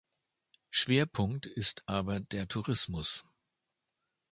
Schwerpunkt ist aber der Tourismus.